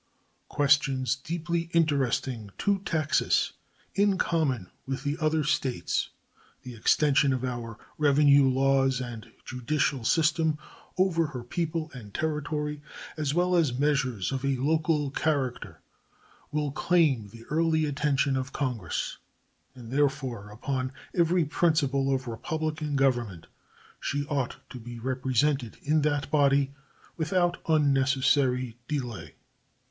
Questions deeply interesting to Texas, in common with the other States, the extension of our revenue laws and judicial system over her people and territory, as well as measures of a local character, will claim the early attention of Congress, and therefore upon every principle of republican government she ought to be represented in that body without unnecessary delay.